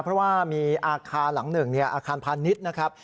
เพราะว่ามีอาคารหลังหนึ่งอาคารพาณิชย์นะครับ